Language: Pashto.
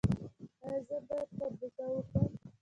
ایا زه باید خربوزه وخورم؟